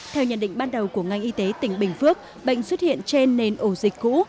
theo nhận định ban đầu của ngành y tế tỉnh bình phước bệnh xuất hiện trên nền ổ dịch cũ